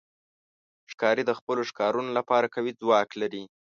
ښکاري د خپلو ښکارونو لپاره قوي ځواک لري.